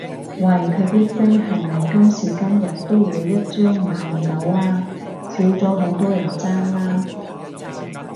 喂佢啲飛係咪今時今日都會一張買唔到啊？少咗好多人爭啦？